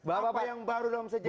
apa yang baru dalam sejarah